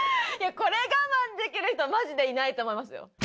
これ我慢できる人、マジでいないと思いますよ。